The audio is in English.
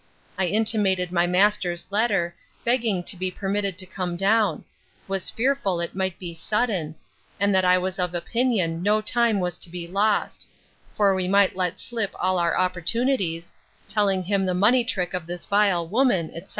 I intimated my master's letter, begging to be permitted to come down: was fearful it might be sudden; and that I was of opinion no time was to be lost; for we might let slip all our opportunities; telling him the money trick of this vile woman, etc.